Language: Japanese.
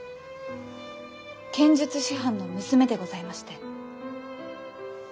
剣術師範の娘でございまして。